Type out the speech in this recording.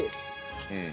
うん。